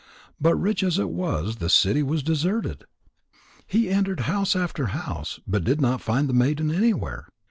But rich as it was, the city was deserted. He entered house after house, but did not find the maiden anywhere.